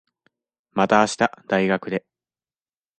また明日、大学で。